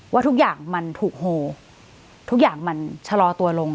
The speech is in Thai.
ว่าทุกอย่างมันถูกโหทุกอย่างมันชะลอตัวลง